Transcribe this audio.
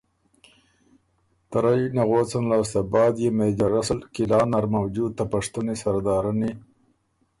ته رئ نغوڅن لاسته بعد يې مېجر رسل قلعه نر موجود ته پشتُونی سردارنی